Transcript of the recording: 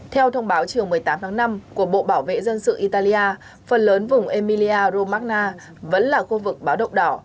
theo thông báo chiều một mươi tám tháng năm của bộ bảo vệ dân sự italia phần lớn vùng elir romacna vẫn là khu vực báo động đỏ